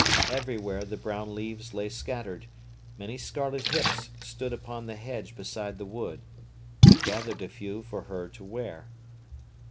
Everywhere the brown leaves lay scattered; many scarlet hips stood upon the hedge beside the wood. He gathered a few for her to wear.